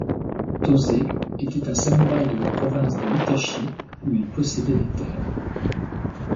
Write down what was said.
Tose était un samuraï de la province de Hitachi où il possédait des terres.